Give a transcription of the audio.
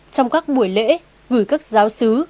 trong các buổi lễ gửi các giáo sứ